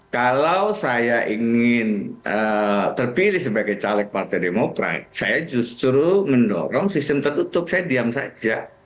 kalau saya ingin terpilih sebagai caleg partai demokrat saya justru mendorong sistem tertutup saya diam saja